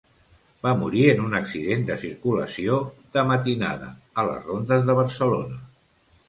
Va morir en un accident de circulació, de matinada, a les Rondes de Barcelona.